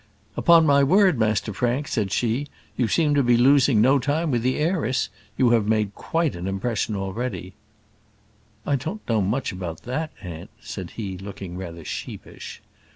"Upon my word, Master Frank," said she, "you seem to be losing no time with the heiress. You have quite made an impression already." "I don't know much about that, aunt," said he, looking rather sheepish.